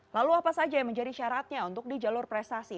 lalu apa saja yang menjadi syaratnya untuk di jalur prestasi